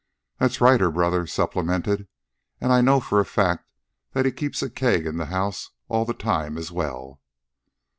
"That's right," her brother supplemented. "An' I know for a fact that he keeps a keg in the house all the time as well."